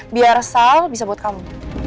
biar sal bisa buat kamu